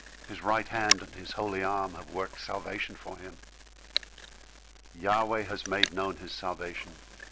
His right hand, and his holy arm, have worked salvation for him. 098:002 Yahweh has made known his salvation.